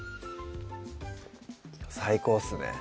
最高っすね